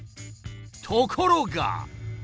ところが。